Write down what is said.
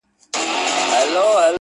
څنګه د بورا د سینې اور وینو-